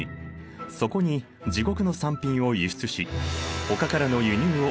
そこに自国の産品を輸出しほかからの輸入を抑えるという